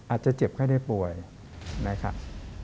อาจจะเจ็บไข้ได้ป่วยนะครับ